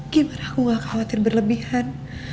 gimana aku gak khawatir berlebihan